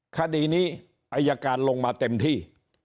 คดีนี้อายการลงมาเต็มที่